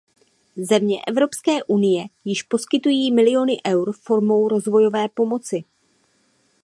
Země Evropské unie již poskytují miliony eur formou rozvojové pomoci.